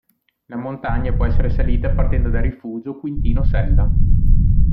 La montagna può essere salita partendo dal Rifugio Quintino Sella.